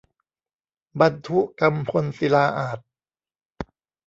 บัณฑุกัมพลศิลาอาสน์